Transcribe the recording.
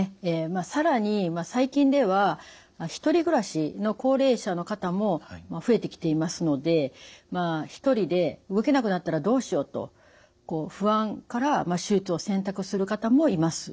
更に最近では独り暮らしの高齢者の方も増えてきていますので一人で動けなくなったらどうしようと不安から手術を選択する方もいます。